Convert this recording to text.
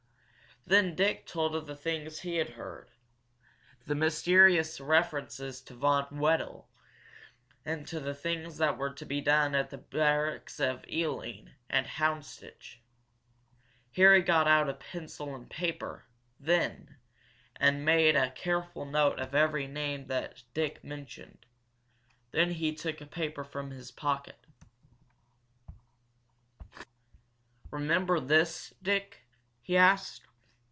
Then Dick told of the things he had overheard the mysterious references to Von Wedel and to things that were to be done to the barracks at Ealing and Houndsditch. Harry got out a pencil and paper then, and made a careful note of every name that Dick mentioned. Then he took a paper from his pocket. "Remember this, Dick?" he asked.